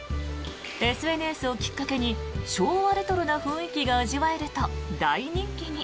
ＳＮＳをきっかけに昭和レトロな雰囲気が味わえると大人気に。